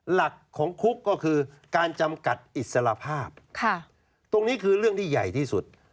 หลักของคุกก็คือการจำกัดอิสระภาพตรงนี้คือเรื่องที่ใหญ่ที่สุด